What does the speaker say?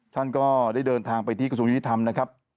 ท่านก็ได้เดินทางไปที่กระทรวงยุติธรรมนะครับ